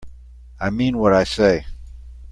I mean what I say.